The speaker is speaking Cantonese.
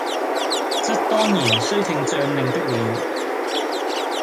則當然須聽將令的了，